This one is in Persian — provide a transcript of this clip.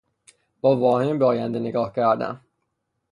با واهمه به آینده نگاه کردن